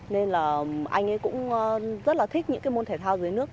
nên là anh ấy cũng rất là thích những cái môn thể thao dưới nước